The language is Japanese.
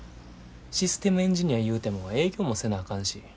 システムエンジニアいうても営業もせなあかんし。